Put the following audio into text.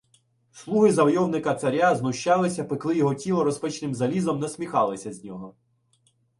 Слуги завойовника-царя знущалися, пекли йому тіло розпаленим залізом, насміхалися з нього.